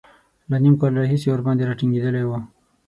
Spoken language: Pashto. له نیم کال راهیسې ورباندې را ټینګېدلی و.